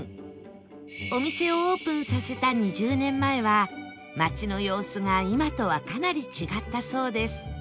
お店をオープンさせた２０年前は街の様子が今とはかなり違ったそうです